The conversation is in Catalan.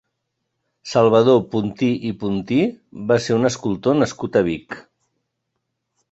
Salvador Puntí i Puntí va ser un escultor nascut a Vic.